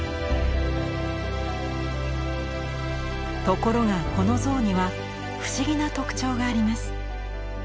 ところがこの像には不思議な特徴があります。